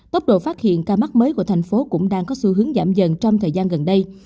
tốc độ phát hiện ca mắc mới của thành phố cũng đang có xu hướng giảm dần trong thời gian gần đây